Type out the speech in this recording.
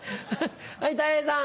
はいたい平さん。